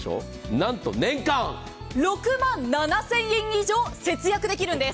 なんと年間、６万７０００円以上節約できるんです。